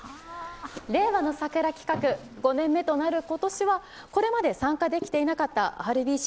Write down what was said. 「令和のサクラ」企画５年目となる今年はこれまで参加できていなかったＲＢＣ